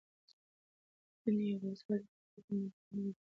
د تڼیو ولسوالۍ کلتوري مېلې د هېواد په کچه ډېر مینه وال لري.